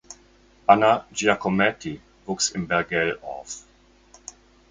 Anna Giacometti wuchs im Bergell auf.